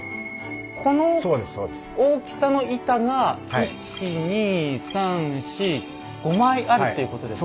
この大きさの板が１２３４５枚あるっていうことですか？